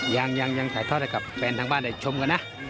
ยังถ่ายทอดให้กับแฟนทางบ้านได้ชมกันนะ